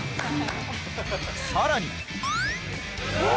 さらに。